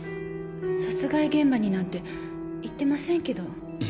殺害現場になんて行ってませんけど。